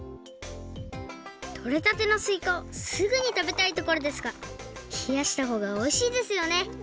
とれたてのすいかをすぐにたべたいところですがひやしたほうがおいしいですよね。